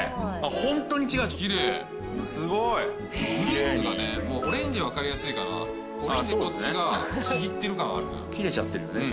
ホントに違うキレイすごいキレイにもうオレンジ分かりやすいかなこっちがちぎってる感あるから切れちゃってるよね